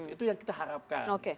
itu yang kita harapkan